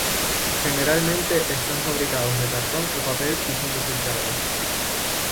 Generalmente están fabricados de cartón o papel y son desechables.